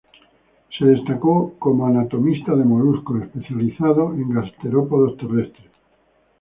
Se destacó como anatomista de moluscos, especializada en gastrópodos terrestres.